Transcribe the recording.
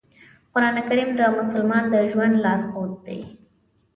قرآن کریم د مسلمان د ژوند لارښود دی.